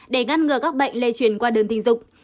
để ngăn ngừa các bệnh lây chuyển qua đơn tình dục